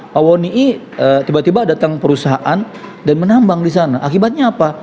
pak woni tiba tiba datang perusahaan dan menambang di sana akibatnya apa